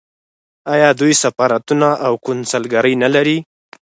آیا دوی سفارتونه او کونسلګرۍ نلري؟